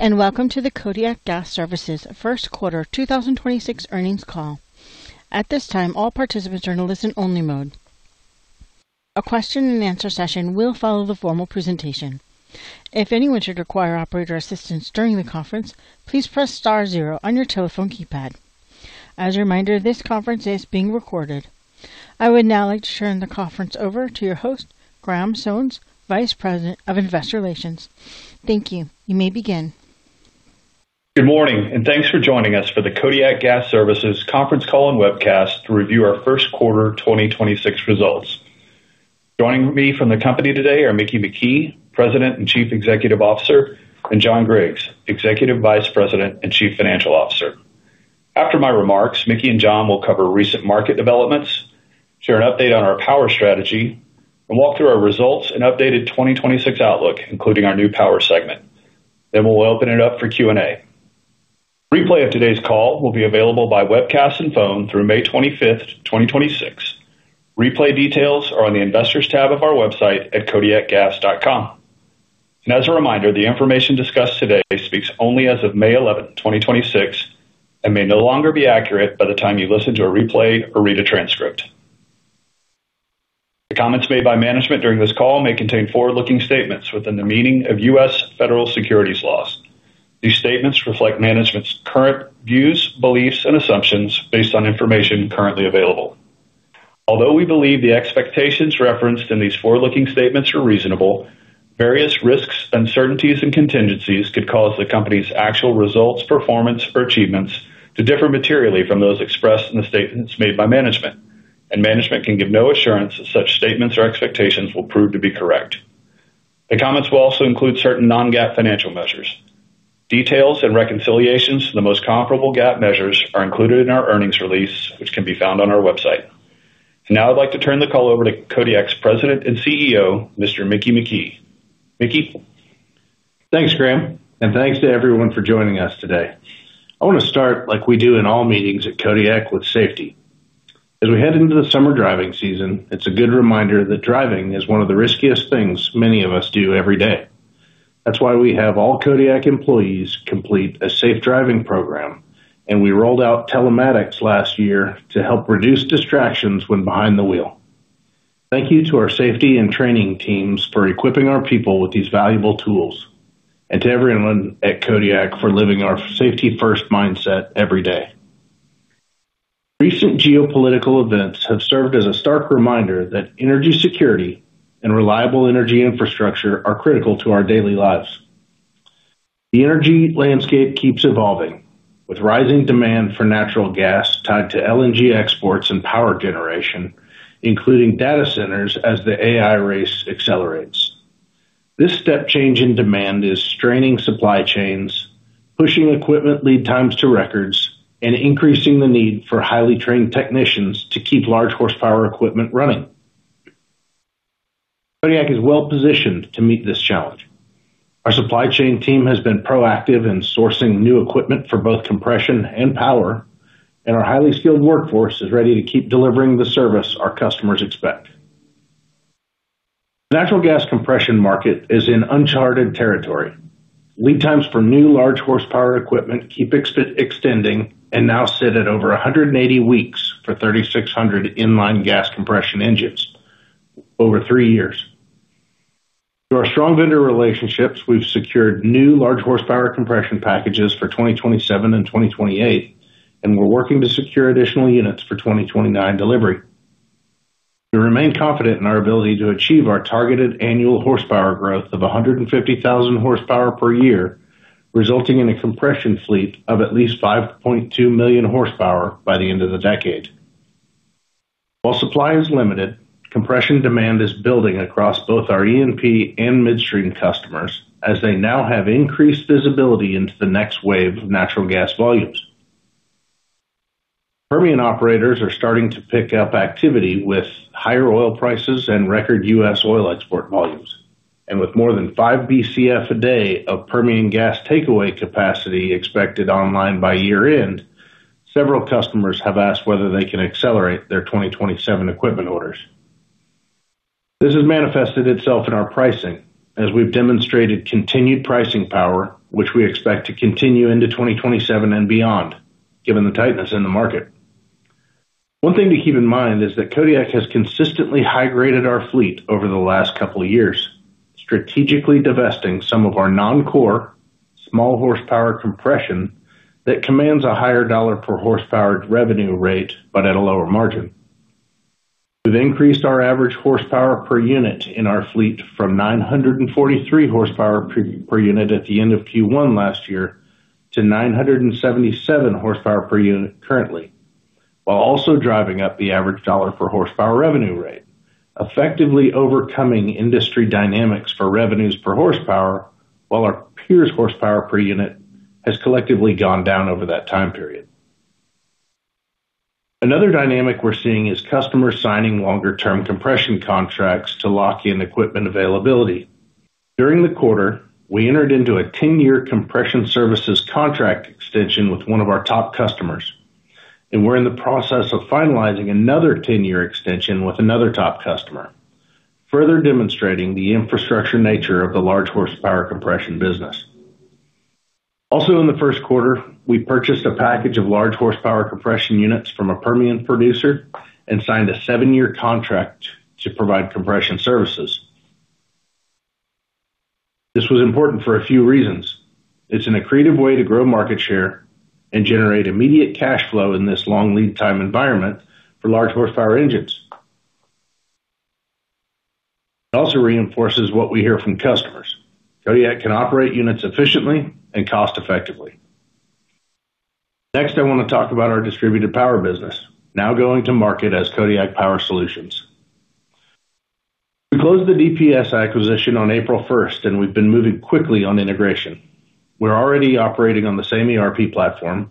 Welcome to the Kodiak Gas Services First Quarter 2026 Earnings Call. At this time, all participants are in a listen only mode. A question and answer session will follow the formal presentation. If anyone should require operator assistance during the conference, please press star zero on your telephone keypad. As a reminder, this conference is being recorded. I would now like to turn the conference over to your host, Graham Sones, Vice President of Investor Relations. Thank you. You may begin. Good morning, thanks for joining us for the Kodiak Gas Services conference call and webcast to review our first quarter 2026 results. Joining me from the company today are Mickey McKee, President and Chief Executive Officer, and John Griggs, Executive Vice President and Chief Financial Officer. After my remarks, Mickey and John will cover recent market developments, share an update on our Power strategy, and walk through our results and updated 2026 outlook, including our new Power segment. We'll open it up for Q&A. Replay of today's call will be available by webcast and phone through May 25th, 2026. Replay details are on the Investors tab of our website at kodiakgas.com. As a reminder, the information discussed today speaks only as of May 11th, 2026 and may no longer be accurate by the time you listen to a replay or read a transcript. The comments made by management during this call may contain forward-looking statements within the meaning of U.S. federal securities laws. These statements reflect management's current views, beliefs, and assumptions based on information currently available. Although we believe the expectations referenced in these forward-looking statements are reasonable, various risks, uncertainties, and contingencies could cause the company's actual results, performance, or achievements to differ materially from those expressed in the statements made by management, and management can give no assurance that such statements or expectations will prove to be correct. The comments will also include certain non-GAAP financial measures. Details and reconciliations to the most comparable GAAP measures are included in our earnings release, which can be found on our website. Now, I'd like to turn the call over to Kodiak's President and CEO, Mr. Mickey McKee. Mickey? Thanks, Graham, and thanks to everyone for joining us today. I want to start like we do in all meetings at Kodiak with safety. As we head into the summer driving season, it's a good reminder that driving is one of the riskiest things many of us do every day. That's why we have all Kodiak employees complete a safe driving program, and we rolled out telematics last year to help reduce distractions when behind the wheel. Thank you to our safety and training teams for equipping our people with these valuable tools and to everyone at Kodiak for living our safety first mindset every day. Recent geopolitical events have served as a stark reminder that energy security and reliable energy infrastructure are critical to our daily lives. The energy landscape keeps evolving, with rising demand for natural gas tied to LNG exports and power generation, including data centers as the AI race accelerates. This step change in demand is straining supply chains, pushing equipment lead times to records, and increasing the need for highly trained technicians to keep large horsepower equipment running. Kodiak is well-positioned to meet this challenge. Our supply chain team has been proactive in sourcing new equipment for both Compression and Power, and our highly skilled workforce is ready to keep delivering the service our customers expect. Natural gas Compression market is in uncharted territory. Lead times for new large horsepower equipment keep extending and now sit at over 180 weeks for 3,600 inline gas Compression engines, over three years. Through our strong vendor relationships, we've secured new large horsepower Compression packages for 2027 and 2028, we're working to secure additional units for 2029 delivery. We remain confident in our ability to achieve our targeted annual horsepower growth of 150,000 horsepower per year, resulting in a Compression fleet of at least 5.2 million horsepower by the end of the decade. While supply is limited, Compression demand is building across both our E&P and midstream customers as they now have increased visibility into the next wave of natural gas volumes. Permian operators are starting to pick up activity with higher oil prices and record U.S. oil export volumes. With more than five Bcf a day of Permian gas takeaway capacity expected online by year-end, several customers have asked whether they can accelerate their 2027 equipment orders. This has manifested itself in our pricing as we've demonstrated continued pricing power, which we expect to continue into 2027 and beyond, given the tightness in the market. One thing to keep in mind is that Kodiak has consistently high-graded our fleet over the last couple of years, strategically divesting some of our non-core small horsepower Compression that commands a higher dollar per horsepower revenue rate but at a lower margin. We've increased our average horsepower per unit in our fleet from 943 horsepower per unit at the end of Q1 last year to 977 horsepower per unit currently, while also driving up the average dollar per horsepower revenue rate, effectively overcoming industry dynamics for revenues per horsepower while our peers horsepower per unit has collectively gone down over that time period. Another dynamic we're seeing is customers signing longer-term Compression contracts to lock in equipment availability. During the quarter, we entered into a 10-year Compression services contract extension with one of our top customers, and we're in the process of finalizing another 10-year extension with another top customer. Further demonstrating the infrastructure nature of the large horsepower Compression business. Also, in the first quarter, we purchased a package of large horsepower Compression units from a Permian producer and signed a seven year contract to provide Compression services. This was important for a few reasons. It's an accretive way to grow market share and generate immediate cash flow in this long lead time environment for large horsepower engines. It also reinforces what we hear from customers. Kodiak can operate units efficiently and cost effectively. Next, I wanna talk about our Distributed Power business, now going to market as Kodiak Power Solutions. We closed the DPS acquisition on April first, we've been moving quickly on integration. We're already operating on the same ERP platform,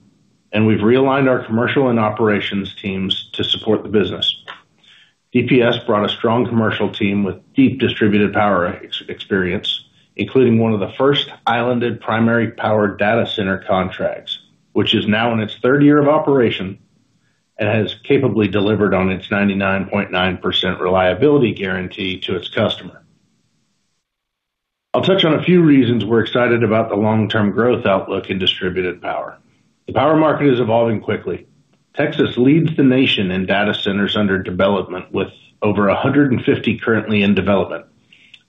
we've realigned our commercial and operations teams to support the business. DPS brought a strong commercial team with deep Distributed Power experience, including one of the first islanded primary power data center contracts, which is now in its third year of operation and has capably delivered on its 99.9% reliability guarantee to its customer. I'll touch on a few reasons we're excited about the long-term growth outlook in Distributed Power. The power market is evolving quickly. Texas leads the nation in data centers under development with over 150 currently in development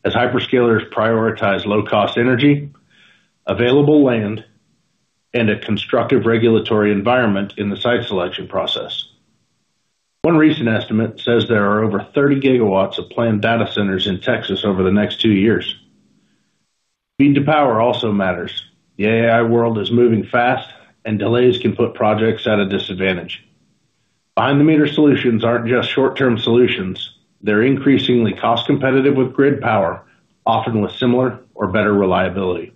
as hyperscalers prioritize low-cost energy, available land, and a constructive regulatory environment in the site selection process. One recent estimate says there are over 30 GW of planned data centers in Texas over the next two years. Speed to power also matters. The AI world is moving fast and delays can put projects at a disadvantage. Behind-the-meter solutions aren't just short-term solutions, they're increasingly cost-competitive with grid power, often with similar or better reliability.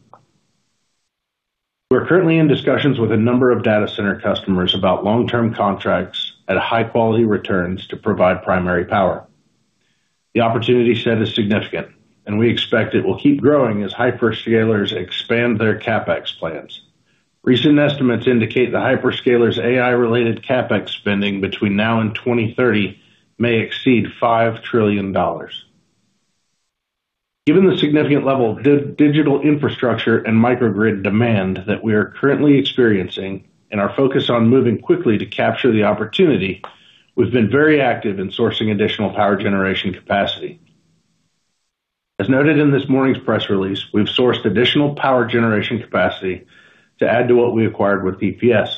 We're currently in discussions with a number of data center customers about long-term contracts at high-quality returns to provide primary power. The opportunity set is significant, and we expect it will keep growing as hyperscalers expand their CapEx plans. Recent estimates indicate the hyperscalers' AI-related CapEx spending between now and 2030 may exceed $5 trillion. Given the significant level of digital infrastructure and microgrid demand that we are currently experiencing and our focus on moving quickly to capture the opportunity, we've been very active in sourcing additional power generation capacity. As noted in this morning's press release, we've sourced additional power generation capacity to add to what we acquired with DPS.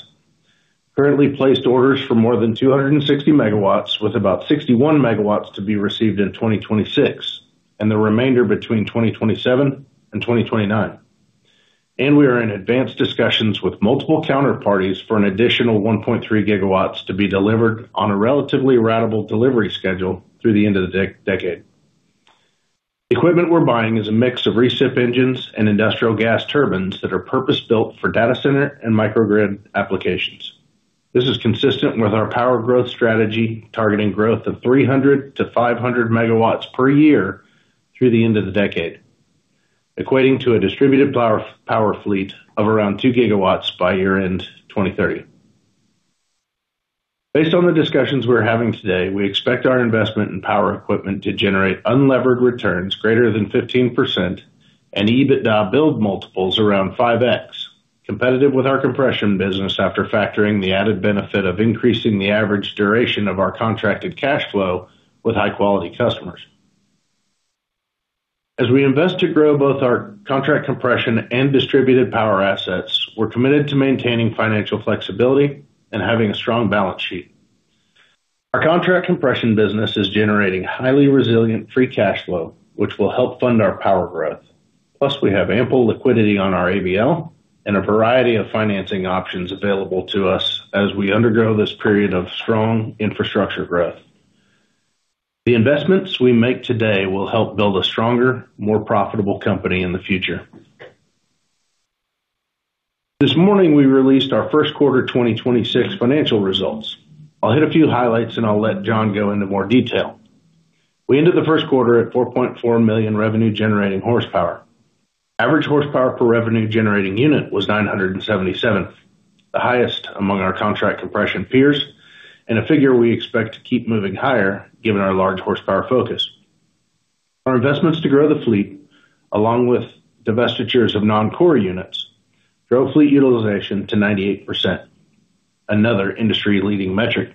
Currently placed orders for more than 260 MW, with about 61 MW to be received in 2026 and the remainder between 2027 and 2029. We are in advanced discussions with multiple counterparties for an additional 1.3 GW to be delivered on a relatively ratable delivery schedule through the end of the decade. Equipment we're buying is a mix of recip engines and industrial gas turbines that are purpose-built for data center and microgrid applications. This is consistent with our power growth strategy, targeting growth of 300 MW-500 MW per year through the end of the decade, equating to a Distributed Power fleet of around 2 GW by year-end 2030. Based on the discussions we're having today, we expect our investment in power equipment to generate unlevered returns greater than 15% and EBITDA build multiples around 5x, competitive with our Compression business after factoring the added benefit of increasing the average duration of our contracted cash flow with high-quality customers. As we invest to grow both our Contract Compression and Distributed Power assets, we're committed to maintaining financial flexibility and having a strong balance sheet. Our Contract Compression business is generating highly resilient free cash flow, which will help fund our power growth. Plus, we have ample liquidity on our ABL and a variety of financing options available to us as we undergo this period of strong infrastructure growth. The investments we make today will help build a stronger, more profitable company in the future. This morning, we released our first quarter 2026 financial results. I'll hit a few highlights, and I'll let John go into more detail. We ended the first quarter at 4.4 million revenue-generating horsepower. Average horsepower per revenue-generating unit was 977, the highest among our Contract Compression peers and a figure we expect to keep moving higher given our large horsepower focus. Our investments to grow the fleet, along with divestitures of non-core units, grow fleet utilization to 98%, another industry-leading metric.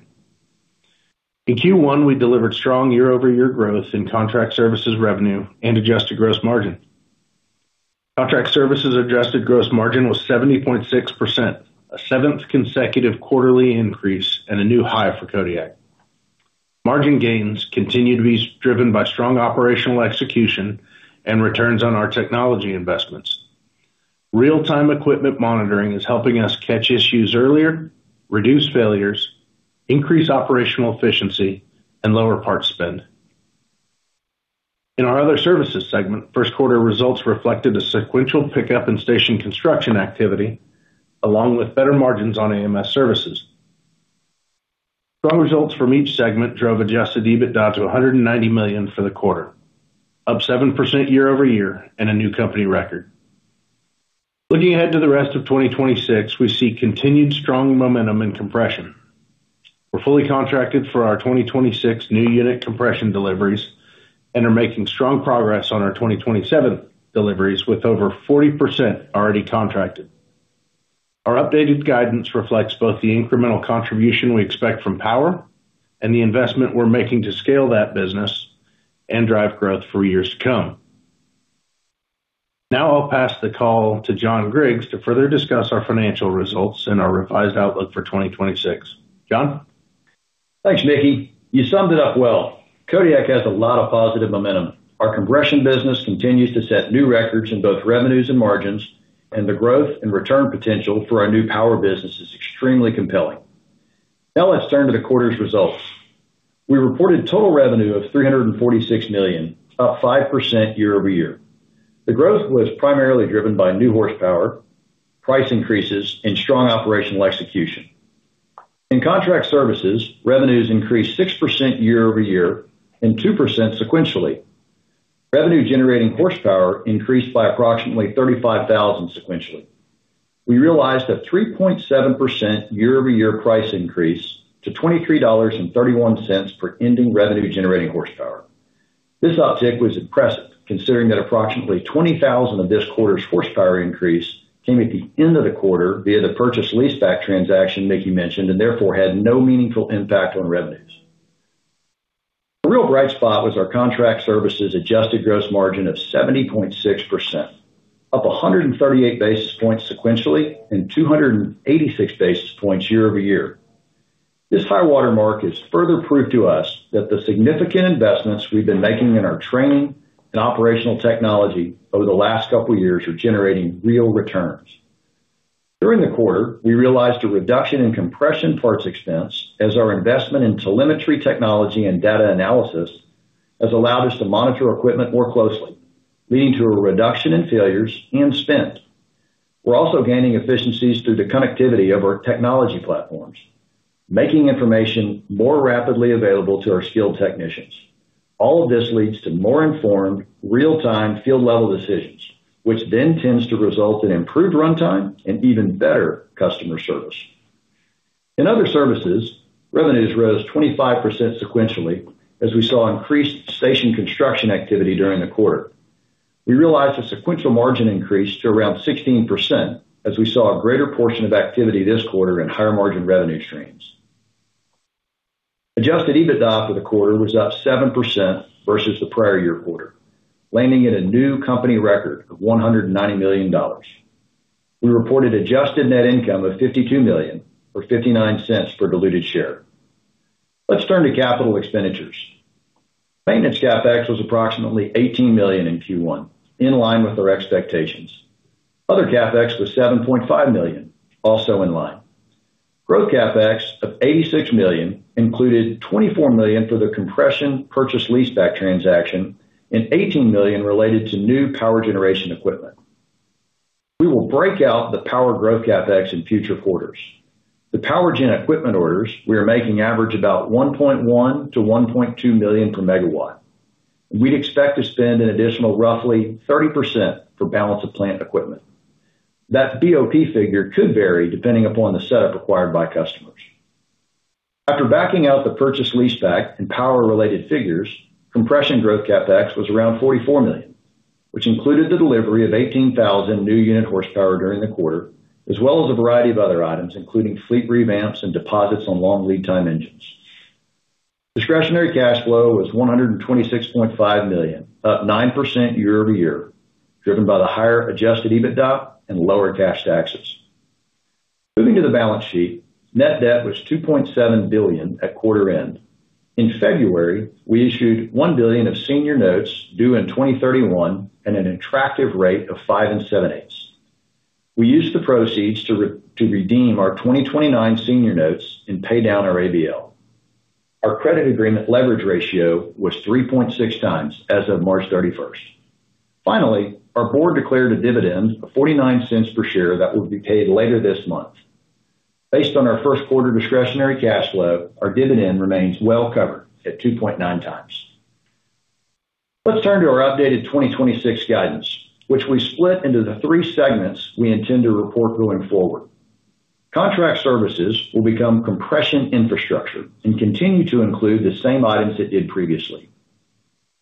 In Q1, we delivered strong year-over-year growth in Contract Services revenue and adjusted gross margin. Contract Services adjusted gross margin was 70.6%, a seventh consecutive quarterly increase and a new high for Kodiak. Margin gains continue to be driven by strong operational execution and returns on our technology investments. Real-time equipment monitoring is helping us catch issues earlier, reduce failures, increase operational efficiency, and lower parts spend. In our other services segment, first quarter results reflected a sequential pickup in station construction activity, along with better margins on AMS services. Strong results from each segment drove Adjusted EBITDA to $190 million for the quarter, up 7% year-over-year and a new company record. Looking ahead to the rest of 2026, we see continued strong momentum in Compression. We're fully contracted for our 2026 new unit Compression deliveries and are making strong progress on our 2027 deliveries with over 40% already contracted. Our updated guidance reflects both the incremental contribution we expect from power and the investment we're making to scale that business and drive growth for years to come. I'll pass the call to John Griggs to further discuss our financial results and our revised outlook for 2026. John? Thanks, Mickey. You summed it up well. Kodiak has a lot of positive momentum. Our Compression business continues to set new records in both revenues and margins, and the growth and return potential for our new Power business is extremely compelling. Let's turn to the quarter's results. We reported total revenue of $346 million, up 5% year-over-year. The growth was primarily driven by new horsepower, price increases and strong operational execution. In Contract Services, revenues increased 6% year-over-year and 2% sequentially. Revenue-generating horsepower increased by approximately 35,000 sequentially. We realized a 3.7% year-over-year price increase to $23.31 per ending revenue-generating horsepower. This uptick was impressive considering that approximately 20,000 of this quarter's horsepower increase came at the end of the quarter via the purchase leaseback transaction Mickey mentioned, and therefore had no meaningful impact on revenues. The real bright spot was our Contract Services adjusted gross margin of 70.6%, up 138 basis points sequentially and 286 basis points year-over-year. This high-water mark is further proof to us that the significant investments we've been making in our training and operational technology over the last couple years are generating real returns. During the quarter, we realized a reduction in Compression parts expense as our investment in telemetry technology and data analysis has allowed us to monitor equipment more closely, leading to a reduction in failures and spend. We're also gaining efficiencies through the connectivity of our technology platforms, making information more rapidly available to our skilled technicians. All of this leads to more informed real-time field-level decisions, which tends to result in improved runtime and even better customer service. In other services, revenues rose 25% sequentially as we saw increased station construction activity during the quarter. We realized a sequential margin increase to around 16% as we saw a greater portion of activity this quarter and higher margin revenue streams. Adjusted EBITDA for the quarter was up 7% versus the prior year quarter, landing at a new company record of $190 million. We reported adjusted net income of $52 million, or $0.59 per diluted share. Let's turn to capital expenditures. Maintenance CapEx was approximately $18 million in Q1, in line with our expectations. Other CapEx was $7.5 million, also in line. Growth CapEx of $86 million included $24 million for the Compression purchase leaseback transaction and $18 million related to new power generation equipment. We will break out the power growth CapEx in future quarters. The power gen equipment orders we are making average about $1.1 million-$1.2 million per megawatt. We'd expect to spend an additional roughly 30% for balance of plant equipment. That BOP figure could vary depending upon the setup required by customers. After backing out the purchase leaseback and power-related figures, Compression growth CapEx was around $44 million, which included the delivery of 18,000 new unit horsepower during the quarter, as well as a variety of other items, including fleet revamps and deposits on long lead time engines. Discretionary cash flow was $126.5 million, up 9% year-over-year, driven by the higher Adjusted EBITDA and lower cash taxes. Moving to the balance sheet, net debt was $2.7 billion at quarter end. In February, we issued $1 billion of senior notes due in 2031 at an attractive rate of 5.875%. We used the proceeds to redeem our 2029 senior notes and pay down our ABL. Our credit agreement leverage ratio was 3.6 times as of March 31st. Finally, our board declared a dividend of $0.49 per share that will be paid later this month. Based on our first quarter discretionary cash flow, our dividend remains well covered at 2.9 times. Let's turn to our updated 2026 guidance, which we split into the three segments we intend to report going forward. Contract Services will become Compression Infrastructure and continue to include the same items it did previously.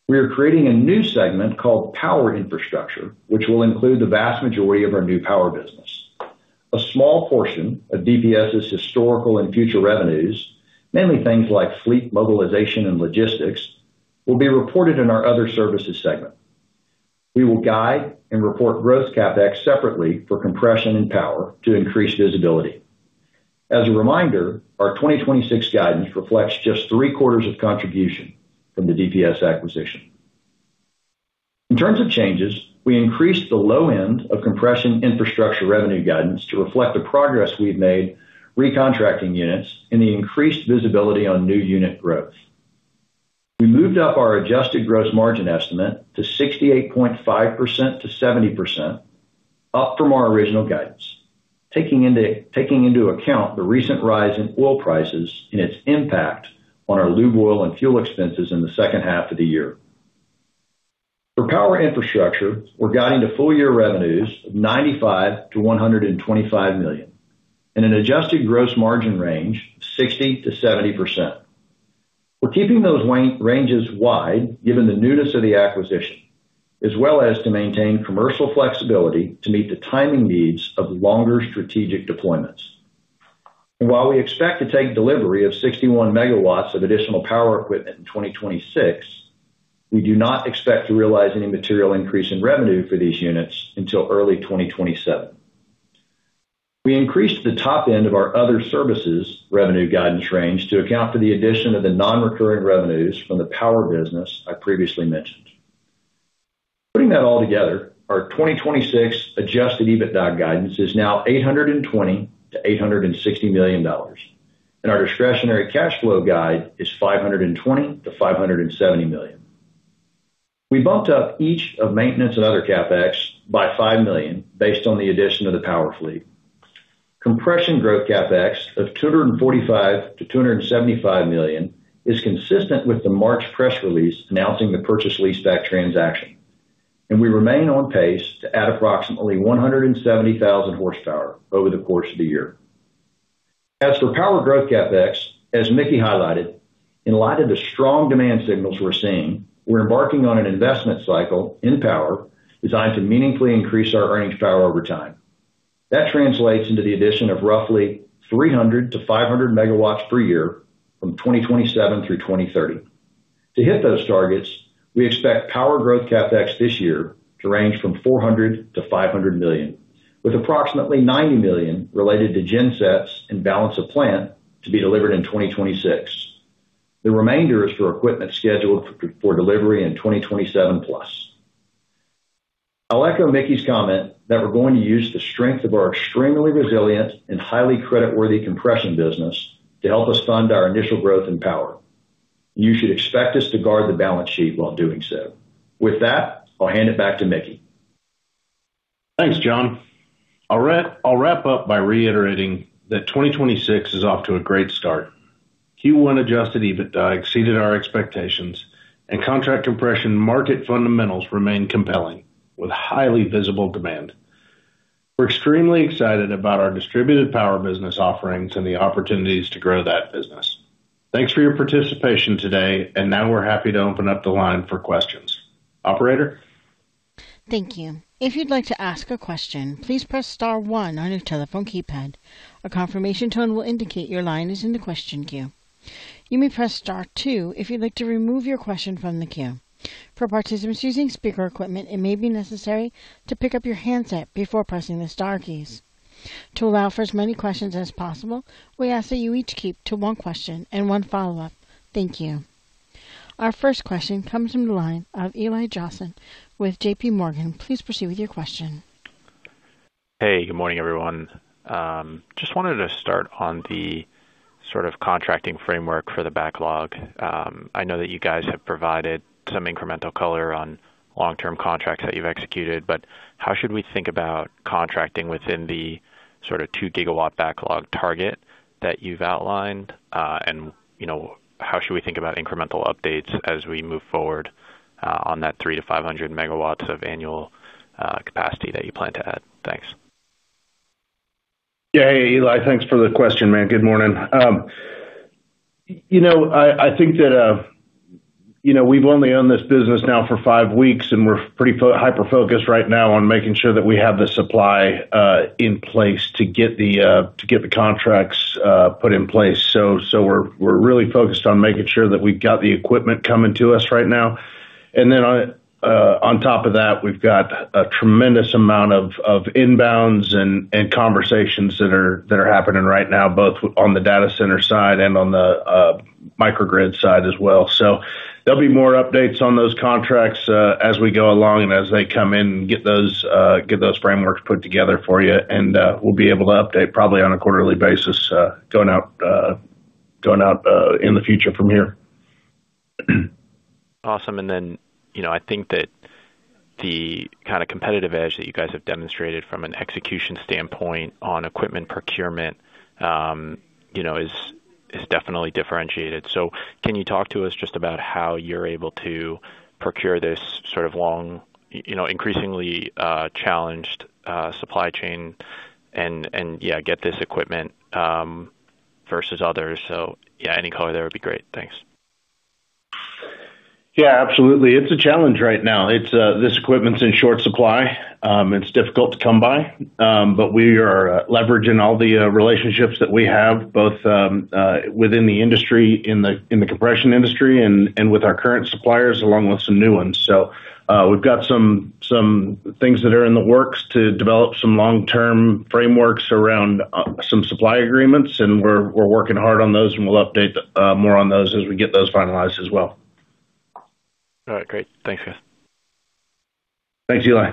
We are creating a new segment called Power Infrastructure, which will include the vast majority of our new Power business. A small portion of DPS' historical and future revenues, mainly things like fleet mobilization and logistics, will be reported in our Other Services segment. We will guide and report growth CapEx separately for Compression and Power to increase visibility. As a reminder, our 2026 guidance reflects just three quarters of contribution from the DPS acquisition. In terms of changes, we increased the low end of Compression Infrastructure revenue guidance to reflect the progress we've made recontracting units and the increased visibility on new unit growth. We moved up our adjusted gross margin estimate to 68.5%-70%, up from our original guidance, taking into account the recent rise in oil prices and its impact on our lube oil and fuel expenses in the second half of the year. For Power Infrastructure, we're guiding to full year revenues of $95 million-$125 million and an adjusted gross margin range 60%-70%. We're keeping those ranges wide given the newness of the acquisition, as well as to maintain commercial flexibility to meet the timing needs of longer strategic deployments. While we expect to take delivery of 61 MW of additional power equipment in 2026, we do not expect to realize any material increase in revenue for these units until early 2027. We increased the top end of our other services revenue guidance range to account for the addition of the non-recurring revenues from the Power business I previously mentioned. Putting that all together, our 2026 Adjusted EBITDA guidance is now $820 million-$860 million, and our discretionary cash flow guide is $520 million-$570 million. We bumped up each of maintenance and other CapEx by $5 million based on the addition of the power fleet. Compression growth CapEx of $245 million-$275 million is consistent with the March press release announcing the purchase leaseback transaction. We remain on pace to add approximately 170,000 horsepower over the course of the year. As for power growth CapEx, as Mickey highlighted, in light of the strong demand signals we're seeing, we're embarking on an investment cycle in power designed to meaningfully increase our earnings power over time. That translates into the addition of roughly 300 to 500 megawatts per year from 2027 through 2030. To hit those targets, we expect power growth CapEx this year to range from $400 million to $500 million, with approximately $90 million related to gensets and balance of plant to be delivered in 2026. The remainder is for equipment scheduled for delivery in 2027+. I'll echo Mickey's comment that we're going to use the strength of our extremely resilient and highly creditworthy Compression business to help us fund our initial growth and power. You should expect us to guard the balance sheet while doing so. With that, I'll hand it back to Mickey. Thanks, John. I'll wrap up by reiterating that 2026 is off to a great start. Q1 Adjusted EBITDA exceeded our expectations and Contract Compression market fundamentals remain compelling with highly visible demand. We're extremely excited about our Distributed Power business offerings and the opportunities to grow that business. Thanks for your participation today, now we're happy to open up the line for questions. Operator? Thank you. If you'd like to ask a question, please press star one on your telephone keypad. A confirmation tone will indicate your line is in the question queue. You may press star two if you'd like to remove your question from the queue. For participants using speaker equipment, it may be necessary to pick up your handset before pressing the star keys. To allow for as many questions as possible, we ask that you each keep to one question and one follow-up. Thank you. Our first question comes from the line of Eli Jossen with JPMorgan. Please proceed with your question. Hey, good morning, everyone. Just wanted to start on the sort of contracting framework for the backlog. I know that you guys have provided some incremental color on long-term contracts that you've executed, but how should we think about contracting within the sort of 2 GW backlog target that you've outlined? You know, how should we think about incremental updates as we move forward on that 300 MW-500 MW of annual capacity that you plan to add? Thanks. Yeah. Hey, Eli. Thanks for the question, man. Good morning. You know, I think that, you know, we've only owned this business now for five weeks, and we're pretty hyper-focused right now on making sure that we have the supply in place to get the contracts put in place. We're really focused on making sure that we've got the equipment coming to us right now. Then, on top of that, we've got a tremendous amount of inbounds and conversations that are happening right now, both on the data center side and on the microgrid side as well. There'll be more updates on those contracts as we go along and as they come in and get those frameworks put together for you. We'll be able to update probably on a quarterly basis, going out in the future from here. Awesome. You know, I think that the kind of competitive edge that you guys have demonstrated from an execution standpoint on equipment procurement, you know, is definitely differentiated. Can you talk to us just about how you're able to procure this sort of long, you know, increasingly challenged supply chain and, yeah, get this equipment versus others? Yeah, any color there would be great. Thanks. Yeah, absolutely. It's a challenge right now. This equipment's in short supply. It's difficult to come by. We are leveraging all the relationships that we have, both within the industry, in the Compression industry and with our current suppliers, along with some new ones. We've got some things that are in the works to develop some long-term frameworks around some supply agreements, and we're working hard on those, and we'll update more on those as we get those finalized as well. All right, great. Thanks, guys. Thanks, Eli.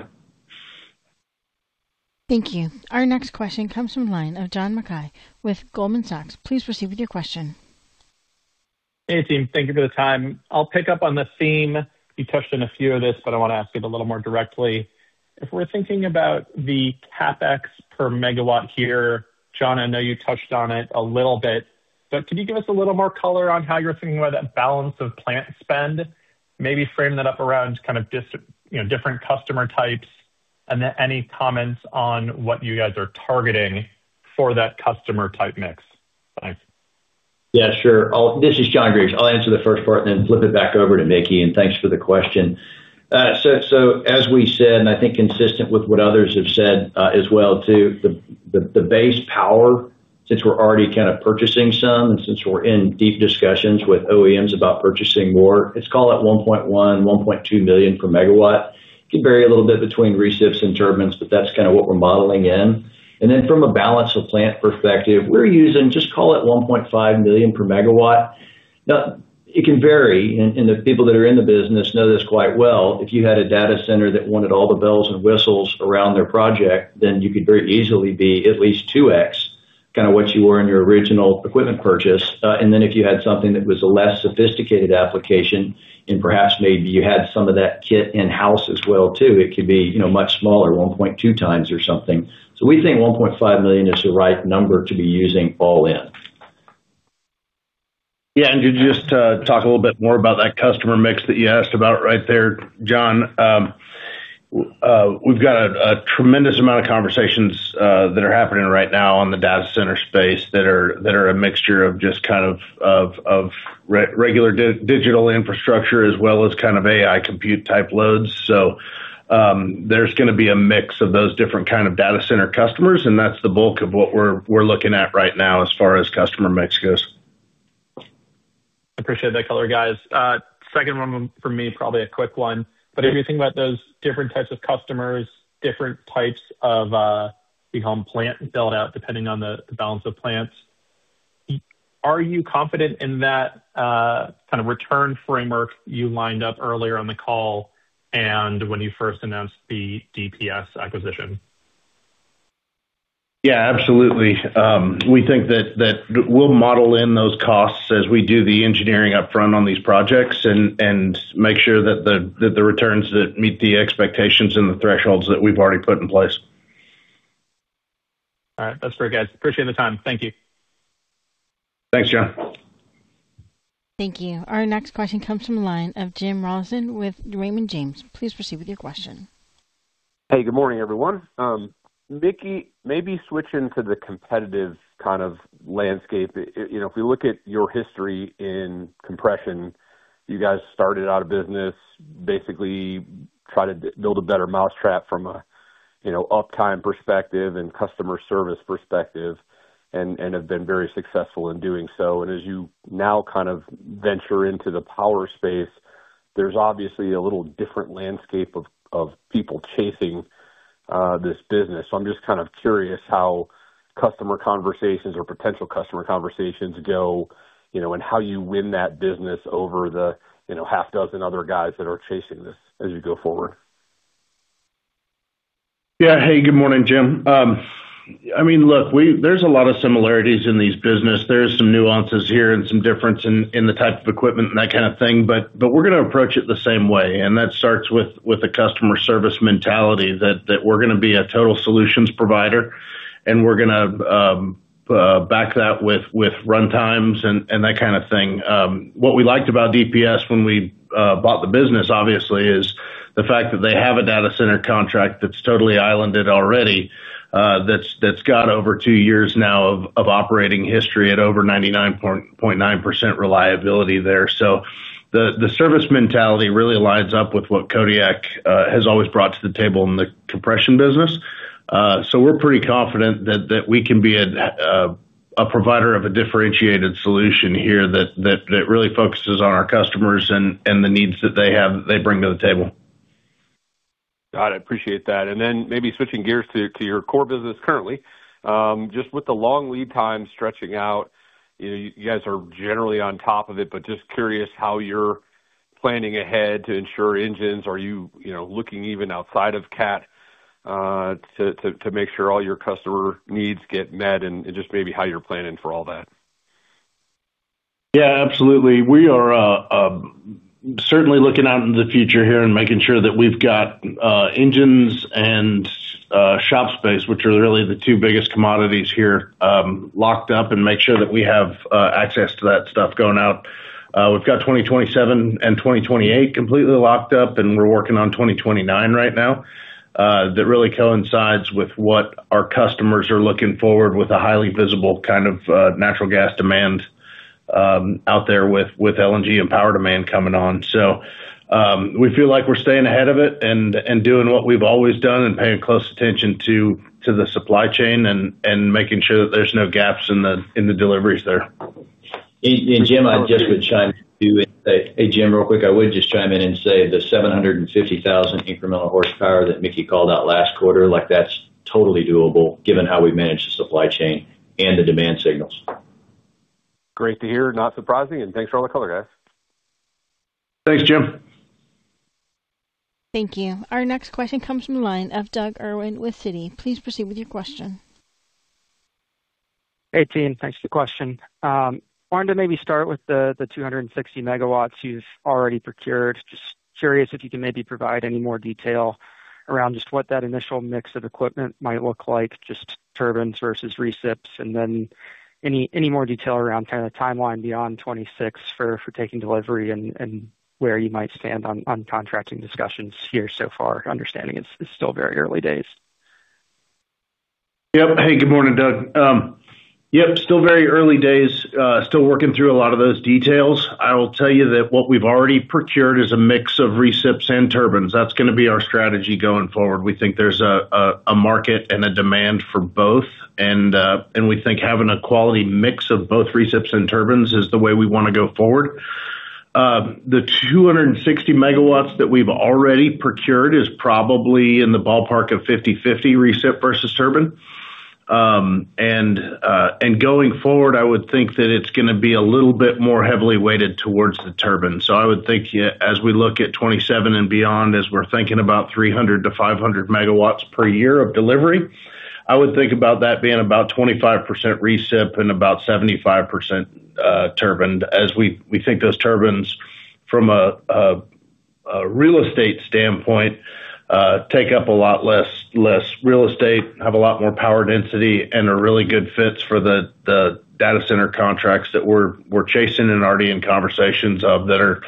Thank you. Our next question comes from the line of John Mackay with Goldman Sachs. Please proceed with your question. Hey, team. Thank you for the time. I'll pick up on the theme. You touched on a few of this. I want to ask it a little more directly. If we're thinking about the CapEx per megawatt here, John, I know you touched on it a little bit. Can you give us a little more color on how you're thinking about that balance of plant spend? Maybe frame that up around kind of, you know, different customer types. Any comments on what you guys are targeting for that customer type mix. Thanks. Yeah, sure. This is John Griggs. I'll answer the first part and then flip it back over to Mickey. Thanks for the question. So as we said, and I think consistent with what others have said as well too, the base power, since we're already kind of purchasing some and since we're in deep discussions with OEMs about purchasing more, let's call it $1.1 million-$1.2 million per megawatt. It can vary a little bit between recips and turbines, but that's kind of what we're modeling in. Then from a balance of plant perspective, we're using, just call it $1.5 million per megawatt. Now, it can vary, and the people that are in the business know this quite well. If you had a data center that wanted all the bells and whistles around their project, then you could very easily be at least 2x, kind of what you were in your original equipment purchase. If you had something that was a less sophisticated application and perhaps maybe you had some of that kit in-house as well too, it could be, you know, much smaller, 1.2 times or something. We think $1.5 million is the right number to be using all in. To just talk a little bit more about that customer mix that you asked about right there, John. We've got a tremendous amount of conversations that are happening right now on the data center space that are a mixture of just kind of regular digital infrastructure as well as kind of AI compute type loads. There's gonna be a mix of those different kind of data center customers, and that's the bulk of what we're looking at right now as far as customer mix goes. Appreciate that color, guys. Second one from me, probably a quick one. If you think about those different types of customers, different types of, we call them plant build out, depending on the balance of plants, are you confident in that kind of return framework you lined up earlier on the call and when you first announced the DPS acquisition? Absolutely. We think that we'll model in those costs as we do the engineering upfront on these projects and make sure that the returns that meet the expectations and the thresholds that we've already put in place. All right. That's fair, guys. Appreciate the time. Thank you. Thanks, John. Thank you. Our next question comes from the line of Jim Rollyson with Raymond James. Please proceed with your question. Hey, good morning, everyone. Mickey, maybe switching to the competitive kind of landscape. If we look at your history in Compression, you guys started out of business, basically try to build a better mousetrap from a uptime perspective and customer service perspective and have been very successful in doing so. As you now kind of venture into the power space, there's obviously a little different landscape of people chasing this business. I'm just kind of curious how customer conversations or potential customer conversations go and how you win that business over the half dozen other guys that are chasing this as you go forward. Yeah. Hey, good morning, Jim. I mean, look, there's a lot of similarities in these business. There is some nuances here and some difference in the type of equipment and that kind of thing, but we're gonna approach it the same way, and that starts with a customer service mentality that we're gonna be a total solutions provider and we're gonna back that with runtimes and that kind of thing. What we liked about DPS when we bought the business, obviously, is the fact that they have a data center contract that's totally islanded already, that's got over two years now of operating history at over 99.9% reliability there. The service mentality really lines up with what Kodiak has always brought to the table in the Compression business. We're pretty confident that we can be a provider of a differentiated solution here that really focuses on our customers and the needs that they have, they bring to the table. Got it. Appreciate that. Maybe switching gears to your core business currently. Just with the long lead time stretching out, you know, you guys are generally on top of it, but curious how you're planning ahead to ensure engines. Are you know, looking even outside of [Cat] to make sure all your customer needs get met and just maybe how you're planning for all that? Absolutely. We are certainly looking out into the future here and making sure that we've got engines and shop space, which are really the two biggest commodities here, locked up and make sure that we have access to that stuff going out. We've got 2027 and 2028 completely locked up, and we're working on 2029 right now. That really coincides with what our customers are looking forward with a highly visible kind of natural gas demand out there with LNG and power demand coming on. We feel like we're staying ahead of it and doing what we've always done and paying close attention to the supply chain and making sure that there's no gaps in the deliveries there. Jim, real quick, I would just chime in and say the 750,000 incremental horsepower that Mickey called out last quarter, like that's totally doable given how we manage the supply chain and the demand signals. Great to hear. Not surprising. Thanks for all the color, guys. Thanks, Jim. Thank you. Our next question comes from the line of Doug Irwin with Citi. Please proceed with your question. Hey, team. Thanks for the question. Wanted to maybe start with the 260 MW you've already procured. Curious if you can maybe provide any more detail around just what that initial mix of equipment might look like, just turbines versus recips, and then any more detail around kind of timeline beyond 2026 for taking delivery and where you might stand on contracting discussions here so far. Understanding it's still very early days. Yep. Hey, good morning, Doug. Yep, still very early days. Still working through a lot of those details. I will tell you that what we've already procured is a mix of recips and turbines. That's gonna be our strategy going forward. We think there's a market and a demand for both and we think having a quality mix of both recips and turbines is the way we wanna go forward. The 260 MW that we've already procured is probably in the ballpark of 50/50 recips versus turbine. Going forward, I would think that it's gonna be a little bit more heavily weighted towards the turbine. I would think as we look at 2027 and beyond, as we're thinking about 300 MW to 500 MW per year of delivery, I would think about that being about 25% recips and about 75% turbine. As we think those turbines from a real estate standpoint take up a lot less real estate, have a lot more power density, and are really good fits for the data center contracts that we're chasing and already in conversations of that are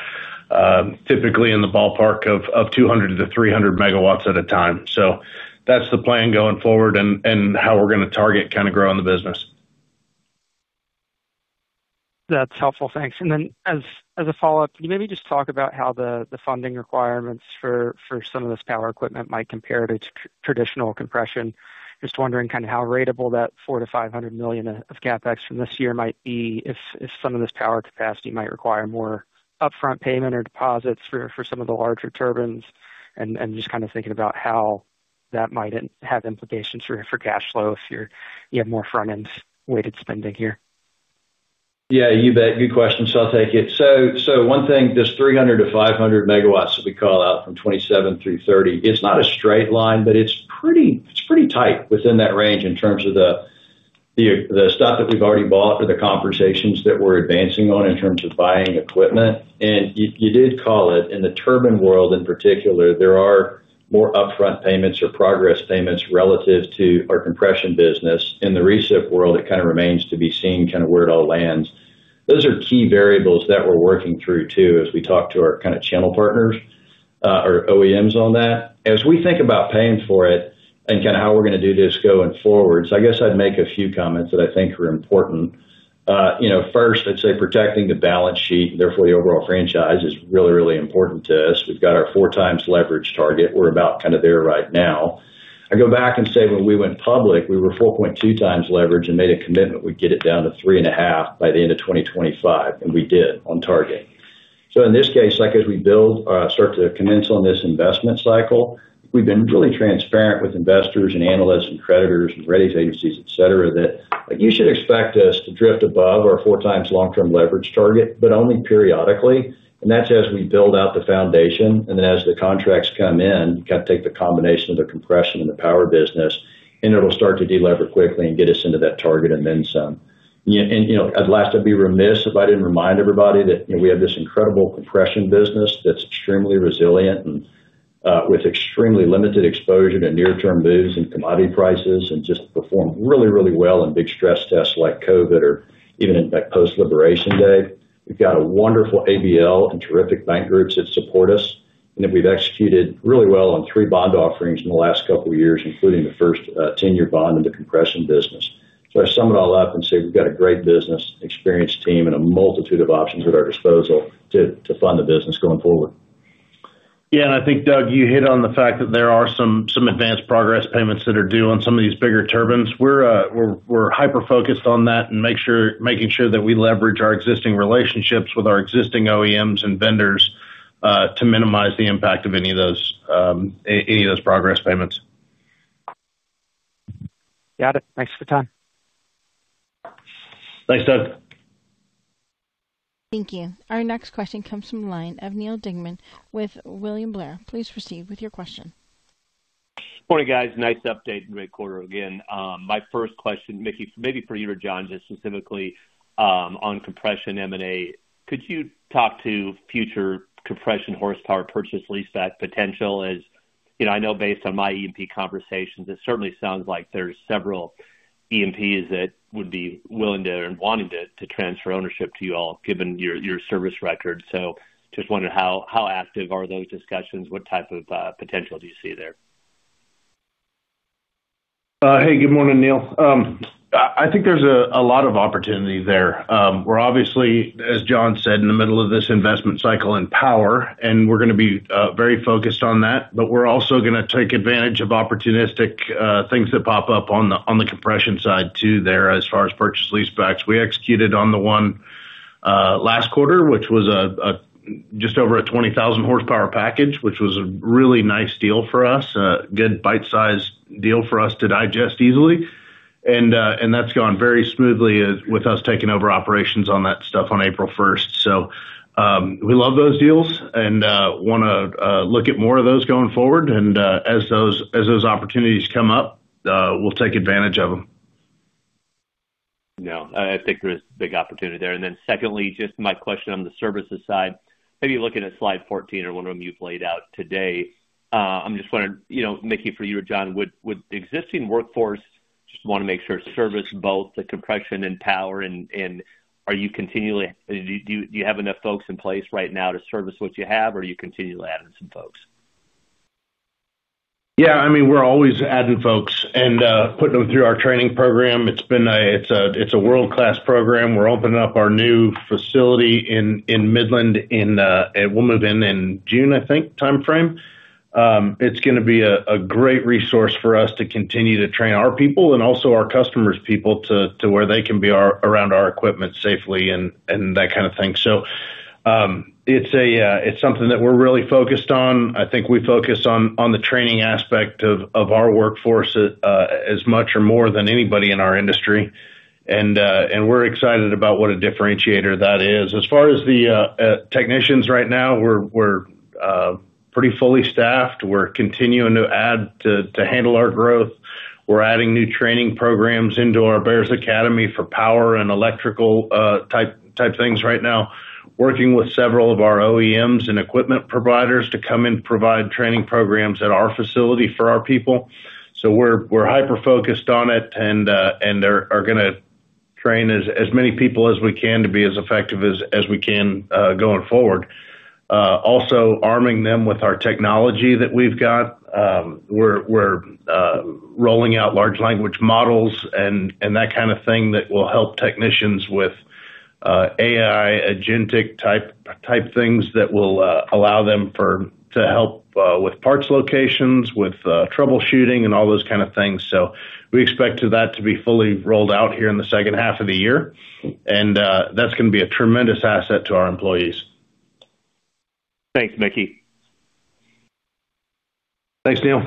typically in the ballpark of 200 MW to 300 MW at a time. That's the plan going forward and how we're gonna target kinda growing the business. That's helpful. Thanks. As a follow-up, can you maybe just talk about how the funding requirements for some of this power equipment might compare to traditional Compression? Just wondering kind of how ratable that $400 million-$500 million of CapEx from this year might be if some of this power capacity might require more upfront payment or deposits for some of the larger turbines. Just kind of thinking about how that might have implications for cash flow if you have more front-end weighted spending here. Yeah, you bet. Good question. I'll take it. One thing, this 300 MW-500 MW that we call out from 2027 through 2030, it's not a straight line, but it's pretty tight within that range in terms of the stuff that we've already bought or the conversations that we're advancing on in terms of buying equipment. You did call it, in the turbine world in particular, there are more upfront payments or progress payments relative to our Compression business. In the recips world, it kind of remains to be seen kind of where it all lands. Those are key variables that we're working through too, as we talk to our kind of channel partners or OEMs on that. As we think about paying for it and kinda how we're gonna do this going forward, I guess I'd make a few comments that I think are important. You know, first, I'd say protecting the balance sheet, therefore the overall franchise, is really, really important to us. We've got our four times leverage target. We're about kind of there right now. I go back and say when we went public, we were 4.2 times leverage and made a commitment we'd get it down to 3.5 by the end of 2025, we did on target. In this case, like as we build, start to commence on this investment cycle, we've been really transparent with investors and analysts and creditors and ratings agencies, et cetera, that you should expect us to drift above our 4x long-term leverage target, but only periodically. That's as we build out the foundation and then as the contracts come in, kind of take the combination of the Compression and the Power business, and it'll start to de-lever quickly and get us into that target and then some. You know, at last I'd be remiss if I didn't remind everybody that, you know, we have this incredible Compression business that's extremely resilient and with extremely limited exposure to near-term moves in commodity prices and just perform really, really well in big stress tests like COVID or even in that post-Liberation Day. We've got a wonderful ABL and terrific bank groups that support us. We've executed really well on three bond offerings in the last couple of years, including the first 10-year bond in the Compression business. I sum it all up and say we've got a great business, experienced team, and a multitude of options at our disposal to fund the business going forward. I think, Doug, you hit on the fact that there are some advanced progress payments that are due on some of these bigger turbines. We're hyper-focused on that and making sure that we leverage our existing relationships with our existing OEMs and vendors to minimize the impact of any of those progress payments. Got it. Thanks for the time. Thanks, Doug. Thank you. Our next question comes from the line of Neal Dingmann with William Blair. Please proceed with your question. Morning, guys. Nice update. Great quarter again. My first question, Mickey, maybe for you or John, just specifically, on Compression M&A. Could you talk to future Compression horsepower purchase leaseback potential? As, you know, I know based on my E&P conversations, it certainly sounds like there's several E&Ps that would be willing to and wanting to transfer ownership to you all, given your service record. Just wondering how active are those discussions? What type of, potential do you see there? Hey, good morning, Neal. I think there's a lot of opportunity there. We're obviously, as John said, in the middle of this investment cycle in power, and we're gonna be very focused on that, but we're also gonna take advantage of opportunistic things that pop up on the Compression side too there as far as purchase leasebacks. We executed on the one last quarter, which was just over a 20,000 horsepower package, which was a really nice deal for us. A good bite-sized deal for us to digest easily. That's gone very smoothly with us taking over operations on that stuff on April first. We love those deals and wanna look at more of those going forward and as those opportunities come up, we'll take advantage of them. No, I think there's big opportunity there. Secondly, just my question on the services side, maybe looking at slide 14 or one of them you've laid out today. I'm just wondering, you know, Mickey, for you or John, would the existing workforce just wanna make sure service both the Compression and Power and are you continually do you have enough folks in place right now to service what you have, or are you continually adding some folks? Yeah, I mean, we're always adding folks and putting them through our training program. It's a world-class program. We're opening up our new facility in Midland. We'll move in in June, I think, timeframe. It's gonna be a great resource for us to continue to train our people and also our customers' people to where they can be around our equipment safely and that kind of thing. It's something that we're really focused on. I think we focus on the training aspect of our workforce as much or more than anybody in our industry. We're excited about what a differentiator that is. As far as the technicians right now, we're pretty fully staffed. We're continuing to add to handle our growth. We're adding new training programs into our Bears Academy for power and electrical type things right now. Working with several of our OEMs and equipment providers to come and provide training programs at our facility for our people. We're hyper-focused on it and are gonna train as many people as we can to be as effective as we can going forward. Also arming them with our technology that we've got. We're rolling out large language models and that kind of thing that will help technicians with AI agentic type things that will allow them to help with parts locations, with troubleshooting and all those kind of things. We expect that to be fully rolled out here in the second half of the year. That's gonna be a tremendous asset to our employees. Thanks, Mickey. Thanks, Neal.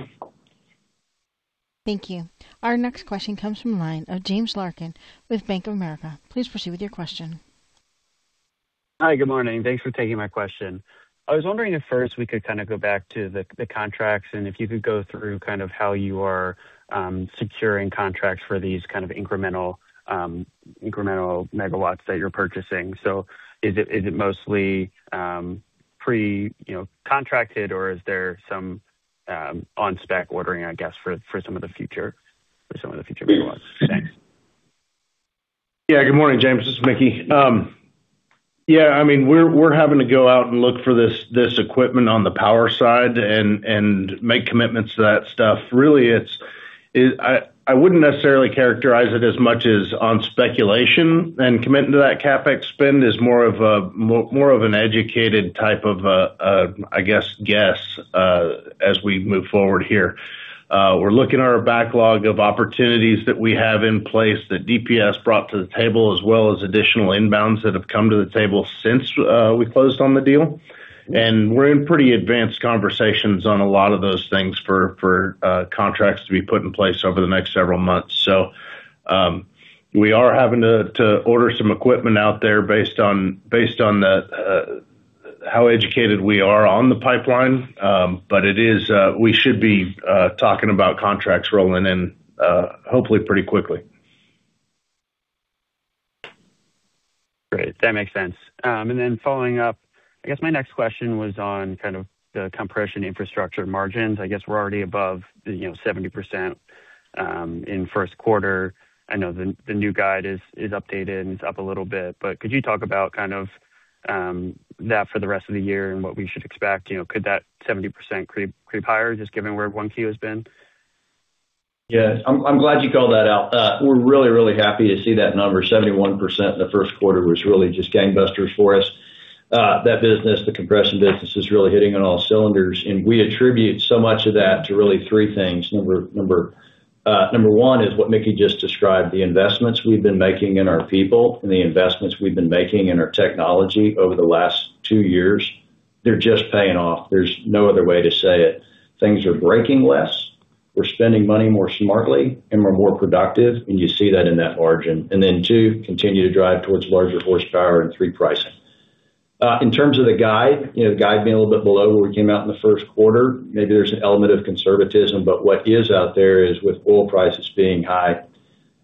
Thank you. Our next question comes from line of James Larkin with Bank of America. Please proceed with your question. Hi, good morning. Thanks for taking my question. I was wondering if first we could kind of go back to the contracts and if you could go through kind of how you are securing contracts for these kind of incremental megawatts that you're purchasing. Is it mostly pre, you know, contracted or is there some on spec ordering, I guess, for some of the future megawatts? Thanks. Yeah. Good morning, James. This is Mickey. Yeah, I mean, we're having to go out and look for this equipment on the Power side and make commitments to that stuff. Really, I wouldn't necessarily characterize it as much as on speculation and commitment to that CapEx spend is more of an educated type of a, I guess, as we move forward here. We're looking at our backlog of opportunities that we have in place that DPS brought to the table, as well as additional inbounds that have come to the table since we closed on the deal. We're in pretty advanced conversations on a lot of those things for contracts to be put in place over the next several months. We are having to order some equipment out there based on the how educated we are on the pipeline. It is we should be talking about contracts rolling in hopefully pretty quickly. Great. That makes sense. Following up, I guess my next question was on kind of the Compression infrastructure margins. I guess we're already above 70% in first quarter. I know the new guide is updated and it's up a little bit. Could you talk about kind of that for the rest of the year and what we should expect? Could that 70% creep higher just given where 1Q has been? Yeah. I'm glad you called that out. We're really happy to see that number. 71% in the first quarter was really just gangbusters for us. That business, the Compression business, is really hitting on all cylinders, and we attribute so much of that to really three things. Number one is what Mickey just described, the investments we've been making in our people and the investments we've been making in our technology over the last two years. They're just paying off. There's no other way to say it. Things are breaking less. We're spending money more smartly, and we're more productive, and you see that in that margin. Then two, continue to drive towards larger horsepower and three pricing. In terms of the guide, you know, the guide being a little bit below where we came out in the first quarter, maybe there's an element of conservatism. What is out there is with oil prices being high,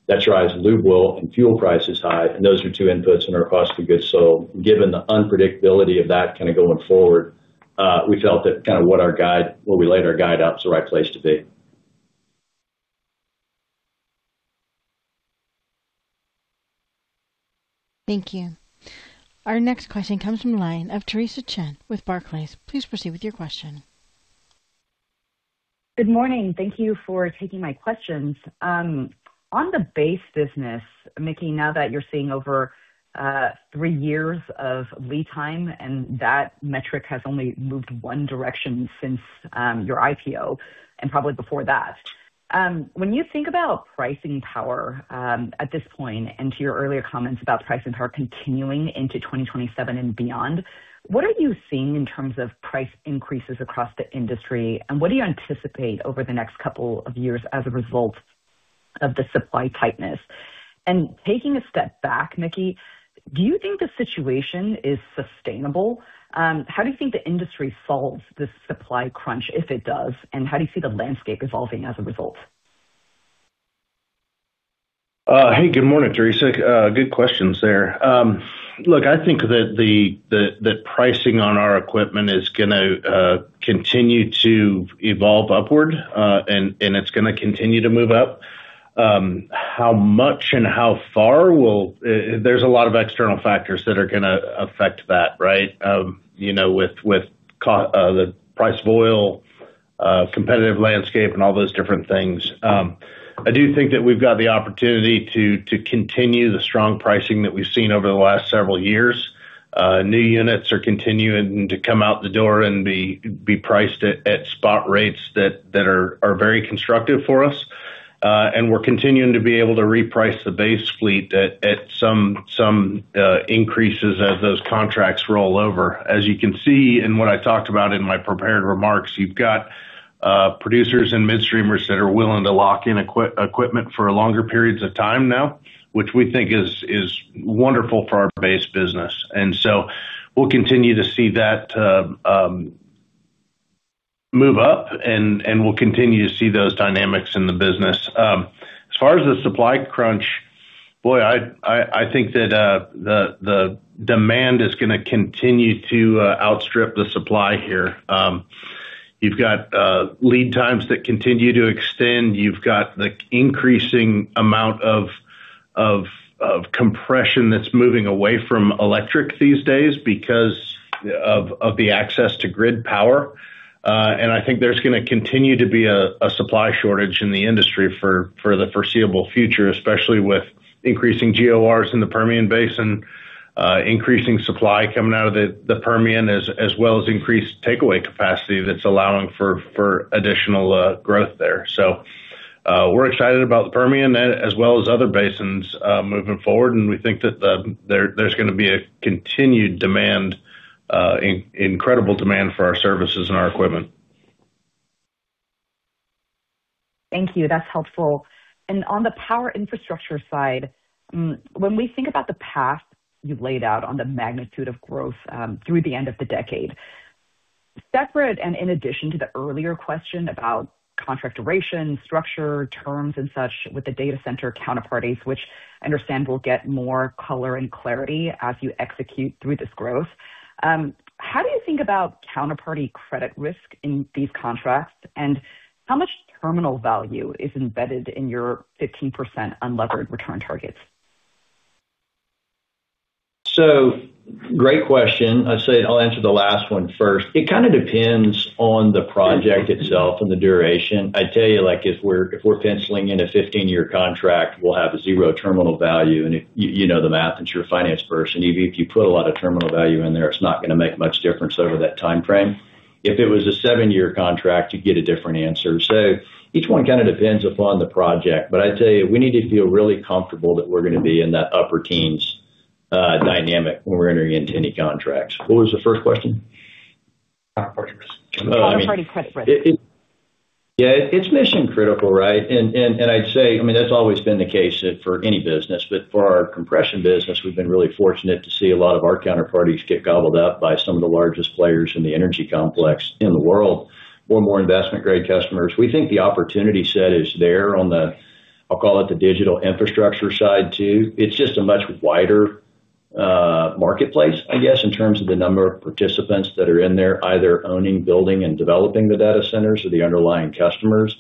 that drives lube oil and fuel prices high, and those are two inputs in our cost of goods. Given the unpredictability of that kind of going forward, we felt that where we laid our guide out is the right place to be. Thank you. Our next question comes from line of Theresa Chen with Barclays. Please proceed with your question. Good morning. Thank you for taking my questions. On the base business, Mickey, now that you're seeing over three years of lead time, and that metric has only moved one direction since your IPO and probably before that. When you think about pricing power at this point, and to your earlier comments about pricing power continuing into 2027 and beyond, what are you seeing in terms of price increases across the industry, and what do you anticipate over the next couple of years as a result of the supply tightness? Taking a step back, Mickey, do you think the situation is sustainable? How do you think the industry solves this supply crunch if it does, and how do you see the landscape evolving as a result? Hey, good morning, Theresa. Good questions there. Look, I think that the pricing on our equipment is going to continue to evolve upward, and it's going to continue to move up. How much and how far, there's a lot of external factors that are going to affect that, right? You know, with the price of oil, competitive landscape, and all those different things. I do think that we've got the opportunity to continue the strong pricing that we've seen over the last several years. New units are continuing to come out the door and be priced at spot rates that are very constructive for us. We're continuing to be able to reprice the base fleet at some increases as those contracts roll over. As you can see in what I talked about in my prepared remarks, you've got producers and midstreamers that are willing to lock in equipment for longer periods of time now, which we think is wonderful for our base business. We'll continue to see that move up, and we'll continue to see those dynamics in the business. As far as the supply crunch, boy, I think that the demand is gonna continue to outstrip the supply here. You've got lead times that continue to extend. You've got the increasing amount of Compression that's moving away from electric these days because of the access to grid power. I think there's gonna continue to be a supply shortage in the industry for the foreseeable future, especially with increasing GORs in the Permian Basin, increasing supply coming out of the Permian, as well as increased takeaway capacity that's allowing for additional growth there. We're excited about the Permian as well as other basins moving forward, and we think that there's gonna be a continued incredible demand for our services and our equipment. Thank you. That's helpful. On the Power Infrastructure side, when we think about the path you've laid out on the magnitude of growth, through the end of the decade, separate and in addition to the earlier question about contract duration, structure, terms and such with the data center counterparties, which I understand we'll get more color and clarity as you execute through this growth, how do you think about counterparty credit risk in these contracts? How much terminal value is embedded in your 15% unlevered return targets? Great question. I'd say I'll answer the last one first. It kind of depends on the project itself and the duration. I tell you, like, if we're penciling in a 15-year contract, we'll have a zero terminal value. You know the math, since you're a finance person. Even if you put a lot of terminal value in there, it's not gonna make much difference over that timeframe. If it was a seven year contract, you'd get a different answer. Each one kind of depends upon the project. I'd tell you, we need to feel really comfortable that we're gonna be in that upper teens dynamic when we're entering into any contracts. What was the first question? Counterparties. Counterparty credit risk. It's mission-critical, right? I mean, that's always been the case for any business. For our Compression business, we've been really fortunate to see a lot of our counterparties get gobbled up by some of the largest players in the energy complex in the world. We want more investment-grade customers. We think the opportunity set is there on the, I'll call it the digital infrastructure side too. It's just a much wider marketplace, I guess, in terms of the number of participants that are in there, either owning, building, and developing the data centers or the underlying customers.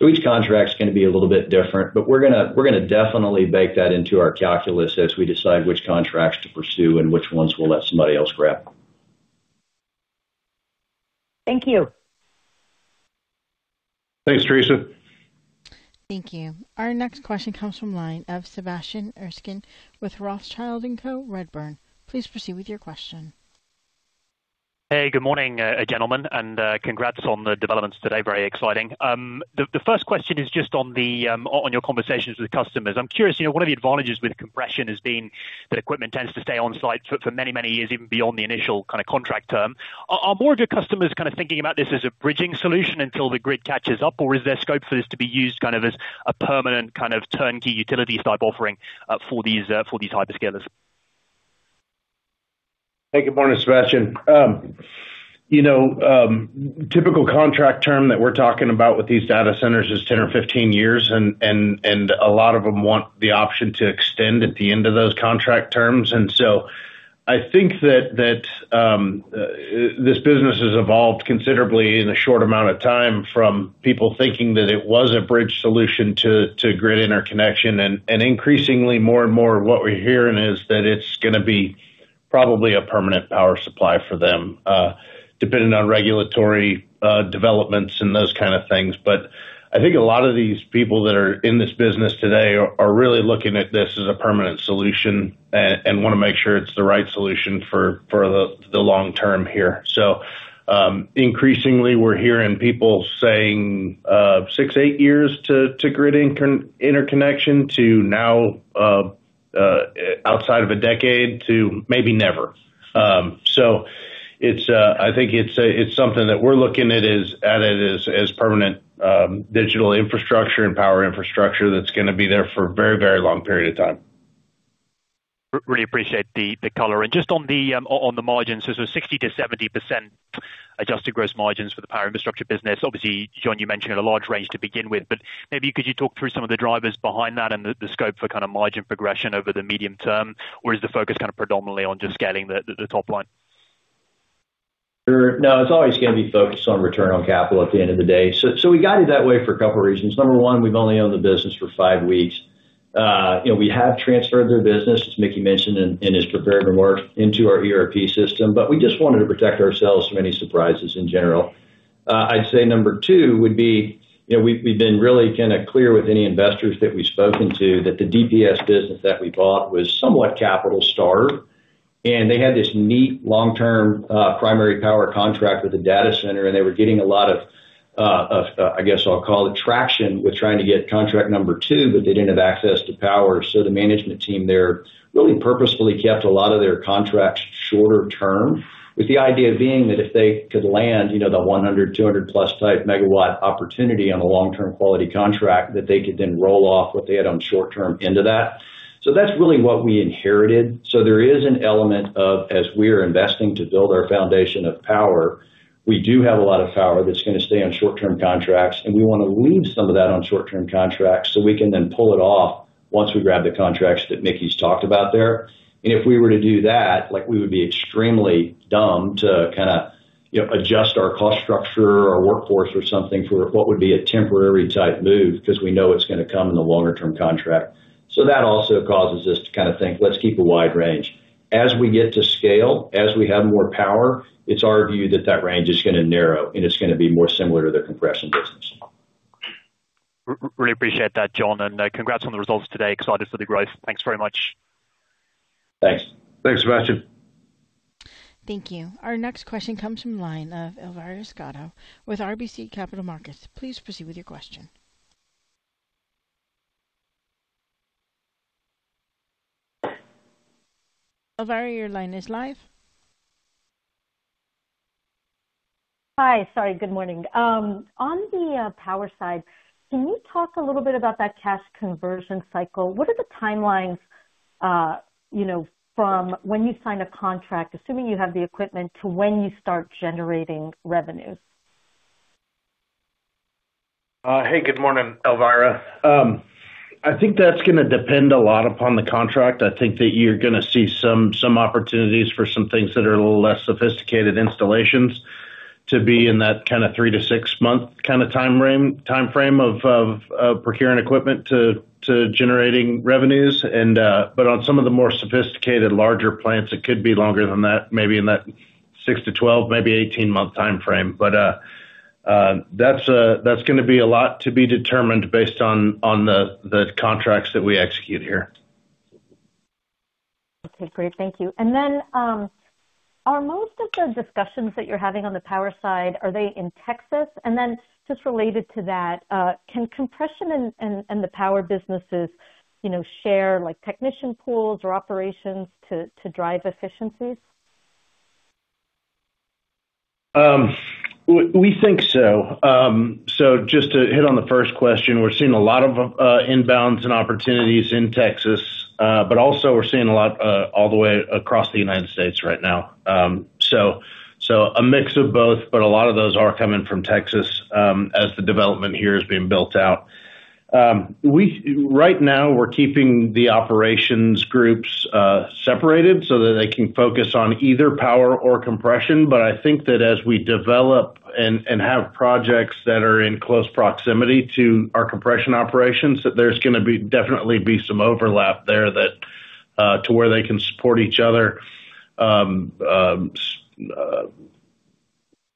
Each contract's gonna be a little bit different. We're gonna definitely bake that into our calculus as we decide which contracts to pursue and which ones we'll let somebody else grab. Thank you. Thanks, Theresa. Thank you. Our next question comes from line of Sebastian Erskine with Rothschild & Co Redburn. Please proceed with your question. Hey, good morning, gentlemen. Congrats on the developments today. Very exciting. The first question is just on your conversations with customers. I'm curious, you know, one of the advantages with Compression has been that equipment tends to stay on-site for many, many years, even beyond the initial kind of contract term. Are more of your customers kind of thinking about this as a bridging solution until the grid catches up, or is there scope for this to be used kind of as a permanent kind of turnkey utility-type offering for these hyperscalers? Hey, good morning, Sebastian. You know, typical contract term that we're talking about with these data centers is 10 or 15 years and a lot of them want the option to extend at the end of those contract terms. I think that this business has evolved considerably in a short amount of time from people thinking that it was a bridge solution to grid interconnection. Increasingly, more and more what we're hearing is that it's gonna be probably a permanent power supply for them, depending on regulatory developments and those kind of things. I think a lot of these people that are in this business today are really looking at this as a permanent solution and wanna make sure it's the right solution for the long term here. Increasingly, we're hearing people saying, six to eight years to grid interconnection to now, outside of a decade to maybe never. It's, I think it's something that we're looking at as permanent digital infrastructure and Power Infrastructure that's gonna be there for a very, very long period of time. Really appreciate the color. Just on the margins, 60%-70% adjusted gross margins for the Power Infrastructure business. Obviously, John, you mentioned a large range to begin with, but maybe could you talk through some of the drivers behind that and the scope for kind of margin progression over the medium term? Is the focus kind of predominantly on just scaling the top line? Sure. No, it's always gonna be focused on return on capital at the end of the day. We guided that way for a couple reasons. Number one, we've only owned the business for five weeks. you know, we have transferred their business, as Mickey mentioned in his prepared remarks, into our ERP system, but we just wanted to protect ourselves from any surprises in general. I'd say number two would be, you know, we've been really kinda clear with any investors that we've spoken to that the DPS business that we bought was somewhat capital starved. They had this neat long-term, primary power contract with a data center, and they were getting a lot of, I guess I'll call it traction with trying to get contract number two, but they didn't have access to power. The management team there really purposefully kept a lot of their contracts shorter term, with the idea being that if they could land, you know, the 100 MW, 200+ type megawatt opportunity on a long-term quality contract, that they could then roll off what they had on short term into that. That's really what we inherited. There is an element of, as we are investing to build our foundation of power, we do have a lot of power that's gonna stay on short-term contracts, and we wanna leave some of that on short-term contracts, so we can then pull it off once we grab the contracts that Mickey's talked about there. If we were to do that, like, we would be extremely dumb to kinda, you know, adjust our cost structure or workforce or something for what would be a temporary type move, 'cause we know it's gonna come in a longer term contract. That also causes us to kind of think, "Let's keep a wide range." As we get to scale, as we have more power, it's our view that that range is gonna narrow, and it's gonna be more similar to the Compression business. Really appreciate that, John, and congrats on the results today. Excited for the growth. Thanks very much. Thanks. Thanks, Sebastian. Thank you. Our next question comes from the line of Elvira Scotto with RBC Capital Markets. Please proceed with your question. Elvira, your line is live. Hi, sorry, good morning. On the Power side, can you talk a little bit about that cash conversion cycle? What are the timelines, you know, from when you sign a contract, assuming you have the equipment, to when you start generating revenue? Hey, good morning, Elvira. I think that's gonna depend a lot upon the contract. I think that you're gonna see some opportunities for some things that are a little less sophisticated installations to be in that kinda three to six month kinda timeframe of procuring equipment to generating revenues. But on some of the more sophisticated larger plants, it could be longer than that, maybe in that six to 12, maybe 18-month timeframe. That's gonna be a lot to be determined based on the contracts that we execute here. Okay, great. Thank you. Are most of the discussions that you're having on the Power side, are they in Texas? Just related to that, can Compression and the Power businesses, you know, share like technician pools or operations to drive efficiencies? We think so. Just to hit on the first question, we're seeing a lot of inbounds and opportunities in Texas. Also we're seeing a lot all the way across the United States right now. A mix of both, but a lot of those are coming from Texas as the development here is being built out. Right now we're keeping the operations groups separated so that they can focus on either Power or Compression. I think that as we develop and have projects that are in close proximity to our Compression operations, that there's gonna be definitely be some overlap there that to where they can support each other.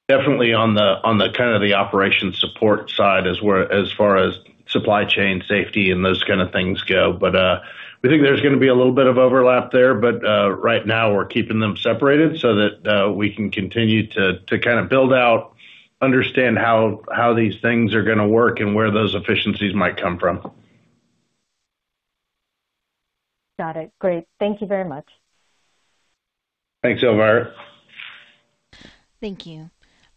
Definitely on the kind of the operation support side as far as supply chain safety and those kind of things go. We think there's gonna be a little bit of overlap there, but right now we're keeping them separated so that we can continue to kind of build out, understand how these things are gonna work and where those efficiencies might come from. Got it. Great. Thank you very much. Thanks, Elvira. Thank you.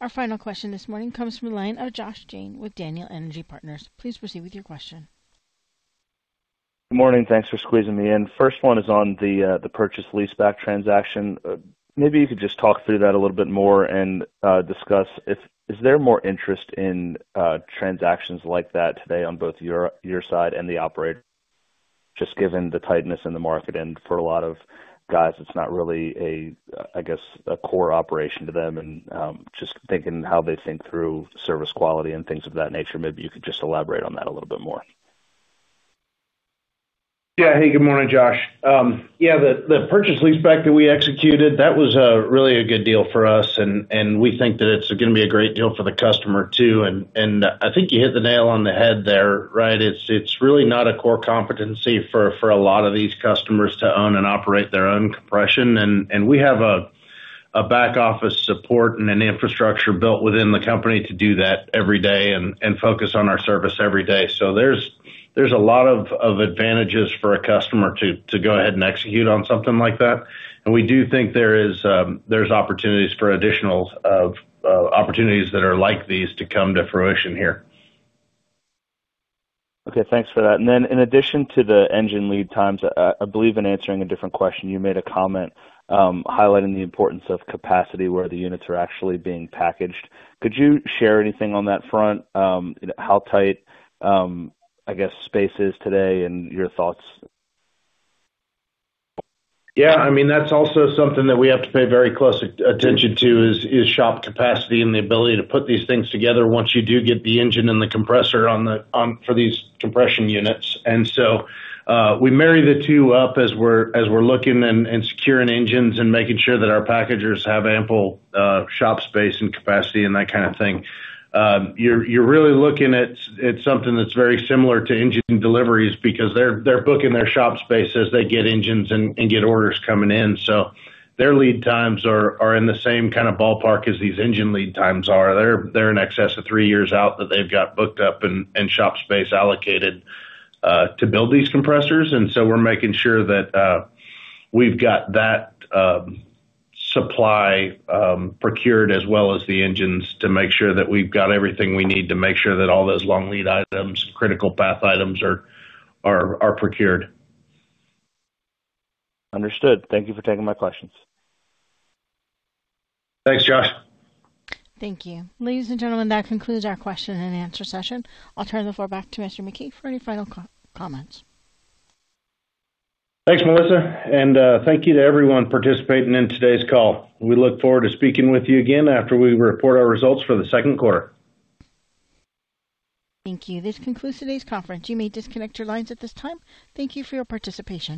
Our final question this morning comes from the line of Josh Jayne with Daniel Energy Partners. Please proceed with your question. Good morning. Thanks for squeezing me in. First one is on the purchase leaseback transaction. Maybe you could just talk through that a little bit more and discuss is there more interest in transactions like that today on both your side and the operator, just given the tightness in the market and for a lot of guys, it's not really a, I guess, a core operation to them and just thinking how they think through service quality and things of that nature? Maybe you could just elaborate on that a little bit more? Hey, good morning, Josh. The purchase leaseback that we executed, that was really a good deal for us, and we think that it's gonna be a great deal for the customer too. I think you hit the nail on the head there, right? It's really not a core competency for a lot of these customers to own and operate their own Compression. We have a back office support and an infrastructure built within the company to do that every day and focus on our service every day. There's a lot of advantages for a customer to go ahead and execute on something like that. We do think there is opportunities for additional opportunities that are like these to come to fruition here. Okay, thanks for that. In addition to the engine lead times, I believe in answering a different question, you made a comment highlighting the importance of capacity where the units are actually being packaged. Could you share anything on that front? How tight I guess space is today and your thoughts? Yeah, I mean, that's also something that we have to pay very close attention to is shop capacity and the ability to put these things together once you do get the engine and the compressor for these Compression units. We marry the two up as we're looking and securing engines and making sure that our packagers have ample shop space and capacity and that kind of thing. You're really looking at something that's very similar to engine deliveries because they're booking their shop space as they get engines and get orders coming in. Their lead times are in the same kinda ballpark as these engine lead times are. They're in excess of three years out that they've got booked up and shop space allocated to build these compressors. We're making sure that we've got that supply procured as well as the engines to make sure that we've got everything we need to make sure that all those long lead items, critical path items are procured. Understood. Thank you for taking my questions. Thanks, Josh. Thank you. Ladies and gentlemen, that concludes our question and answer session. I'll turn the floor back to Mr. McKee for any final comments. Thanks, Melissa. Thank you to everyone participating in today's call. We look forward to speaking with you again after we report our results for the second quarter. Thank you. This concludes today's conference. You may disconnect your lines at this time. Thank you for your participation.